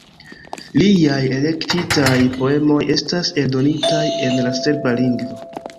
Liaj elektitaj poemoj estas eldonitaj en la serba lingvo.